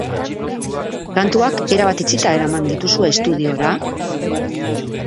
Kantuak erabat itxita eraman dituzue estudiora?